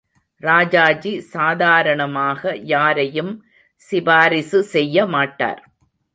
ராஜாஜி சாதாரணமாக யாரையும் சிபாரிசு செய்யமாட்டார்.